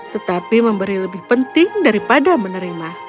tetapi memberi lebih penting daripada menerima